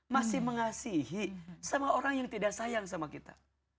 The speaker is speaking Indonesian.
masih mengasihi sama orang yang tidak sayang sama kita